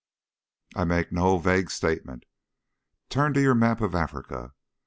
I make no vague statement. Turn to your map of Africa.